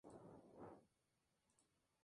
La ganadora fue Gabriella Brum de Alemania.